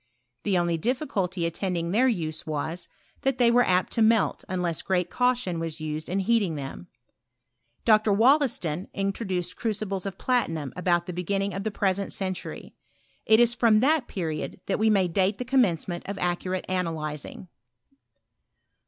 The only difficulty attend ing their use was, that they were apt to melt unless great caution was used in heating them. Dr. Wollaston introduced crucibles of platinum about the beginning of the present century. It is from that period that we may date the commencement of accurate analyzing.